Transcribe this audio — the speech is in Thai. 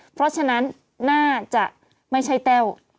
เพราะฉะนั้นน่าจะไม่ใช่แต้ว